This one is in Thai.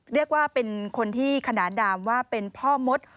เรียกว่าเป็นคนที่ขนานดามว่าเป็นพ่อมด